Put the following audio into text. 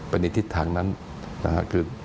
เป็นอันดิทธิฐานนั้นนะครับคือ